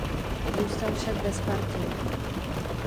Zůstal však ve Spartě.